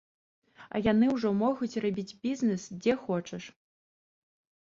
А яны ўжо могуць рабіць бізнес, дзе хочаш.